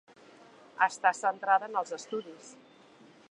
Està centrada en els estudis.